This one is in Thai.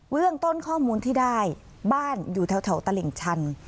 เรื่องต้นข้อมูลที่ได้บ้านอยู่แถวตลิ่งชัน